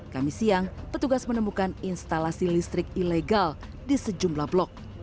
kami siang petugas menemukan instalasi listrik ilegal di sejumlah blok